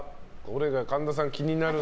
神田さん、気になるの。